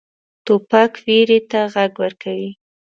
توپک ویرې ته غږ ورکوي.